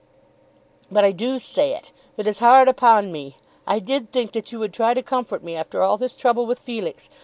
"But I do say it. It is hard upon me. I did think that you would try to comfort me after all this trouble with Felix.